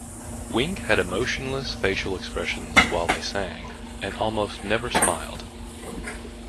Wink had emotionless facial expressions while they sang, and almost never smiled.